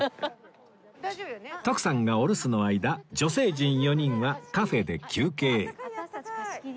徳さんがお留守の間女性陣４人はカフェで休憩私たち貸し切り。